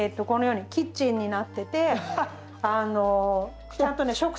このようにキッチンになってて。